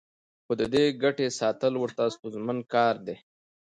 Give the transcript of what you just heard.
خو د دې ګټې ساتل ورته ستونزمن کار دی